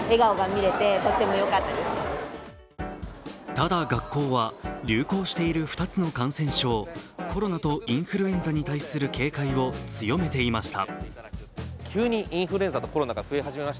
ただ、学校は流行している２つの感染症、コロナとインフルエンザに対する警戒を強めていました。